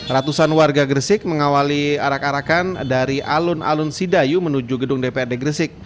ratusan warga gresik mengawali arak arakan dari alun alun sidayu menuju gedung dprd gresik